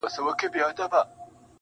امیرحمزه بابا روح دي ښاد وي,